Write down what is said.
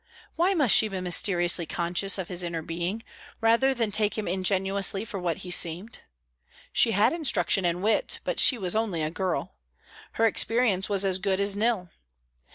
Why must she be mysteriously conscious of his inner being, rather than take him ingenuously for what he seemed? She had instruction and wit, but she was only a girl; her experience was as good as nil.